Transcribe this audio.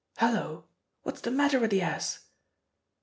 Hullo! What's the matter with the ass?"